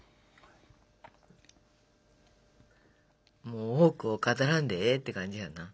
もう多くを語らんでええって感じやんな。